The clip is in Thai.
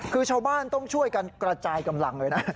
คือชาวบ้านต้องช่วยกันกระจายกำลังเลยนะ